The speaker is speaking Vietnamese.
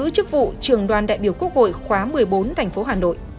chức vụ trưởng đoàn đại biểu quốc hội khóa một mươi bốn thành phố hà nội